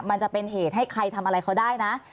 มันจะเป็นเหตุให้ใครทำอะไรเขาได้นะ